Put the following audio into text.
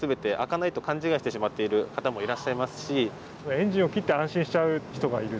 エンジンを切って安心しちゃう人がいるっていう。